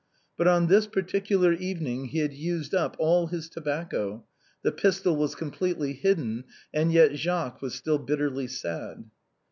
But on this particular evening he had used up all his tobacco; the pistol was completely hidden, and yet Jacques was still bitterly sad.